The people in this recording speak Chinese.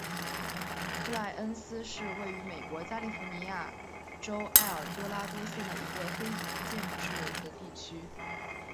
布赖恩茨是位于美国加利福尼亚州埃尔多拉多县的一个非建制地区。